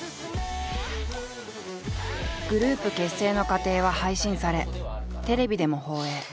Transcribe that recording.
グループ結成の過程は配信されテレビでも放映。